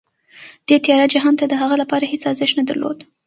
دې تیاره جهان د هغه لپاره هېڅ ارزښت نه درلود